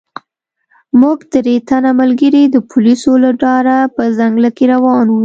موږ درې تنه ملګري د پولیسو له ډاره په ځنګله کې روان وو.